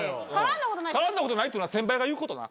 絡んだことないっていうのは先輩が言うことな。